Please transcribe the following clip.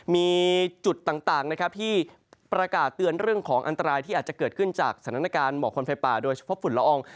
มีจุดต่างนะครับที่ประกาศเตือนเรื่องของอันตรายที่อาจจะเกิดขึ้นจากสถานการณ์หมอกควันไฟป่าโดยเฉพาะฝุ่นละออง